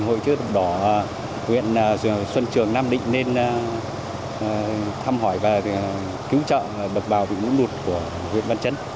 hội chia thập đỏ huyện xuân trường nam định nên thăm hỏi và cứu trọng bậc bào bị lũ lụt của huyện văn chấn